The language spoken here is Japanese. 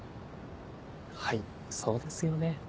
はいそうですよね。